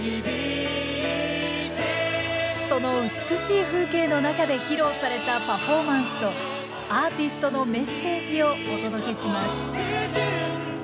その美しい風景の中で披露されたパフォーマンスとアーティストのメッセージをお届けします